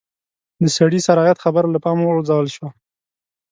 د سړي سر عاید خبره له پامه وغورځول شوه.